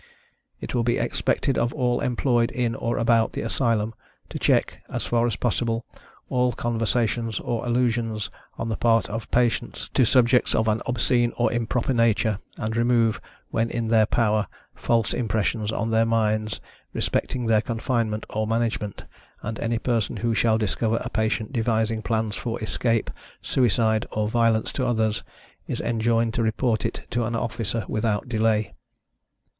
It will be expected of all employed in or about the Asylum, to check, as far as possible, all conversations or allusions, on the part of patients, to subjects of an obscene or improper nature, and remove, when in their power, false impressions on their minds, respecting their confinement or management; and any person who shall discover a patient devising plans for escape, suicide, or violence to others, is enjoined to report it to an officer without delay.